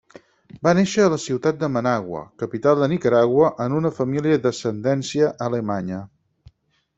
Va néixer a la ciutat de Managua, capital de Nicaragua, en una família d'ascendència alemanya.